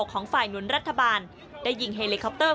ของฝ่ายหนุนรัฐบาลได้ยิงเฮลิคอปเตอร์